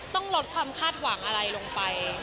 ต้องลดความคาดหวังอะไรลงไป